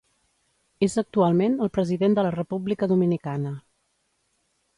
És actualment el President de la República Dominicana.